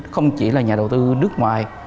không chỉ là nhà đầu tư nước ngoài